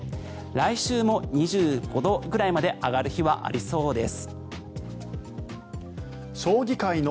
来週も２５度くらいまで上がる日はありそうです。